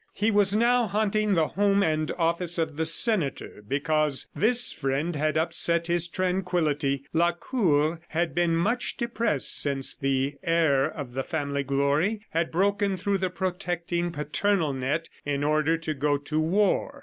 He was now haunting the home and office of the senator, because this friend had upset his tranquillity. Lacour had been much depressed since the heir to the family glory had broken through the protecting paternal net in order to go to war.